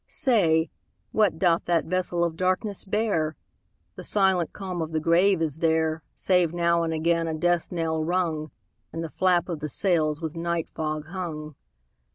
Say, what doth that vessel of darkness bear? The silent calm of the grave is there, Save now and again a death knell rung, And the flap of the sails with night fog hung.